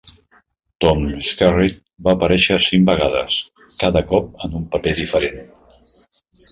Tom Skerritt va aparèixer cinc vegades, cada cop en un paper diferent.